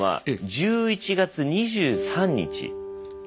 １１月２３日